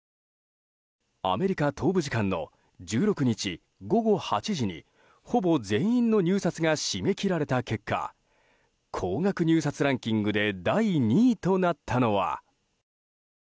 アメリカ東部時間の１６日午後８時にほぼ全員の入札が締め切られた結果高額入札ランキングで第２位となったのは。